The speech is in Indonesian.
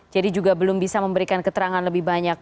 jadi juga belum bisa memberikan keterangan lebih banyak